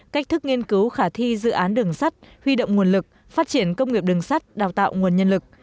cách thức nghiên cứu khả thi dự án đường sắt huy động nguồn lực phát triển công nghiệp đường sắt đào tạo nguồn nhân lực